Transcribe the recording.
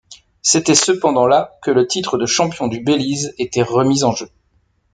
C'était cependant la que le titre de champion du Belize était remis en jeu.